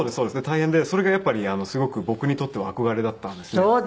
大変でそれがやっぱりすごく僕にとっては憧れだったんですね。